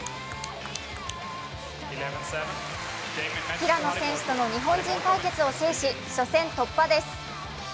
平野選手との日本人対決を制し初戦突破です。